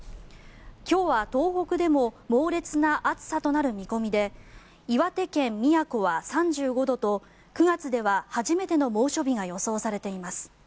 今日は東北でも猛烈な暑さとなる見込みで岩手県宮古は３５度と９月では初めての猛暑日が予想されています。